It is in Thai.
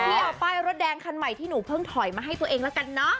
พี่เอาป้ายรถแดงคันใหม่ที่หนูเพิ่งถอยมาให้ตัวเองแล้วกันเนอะ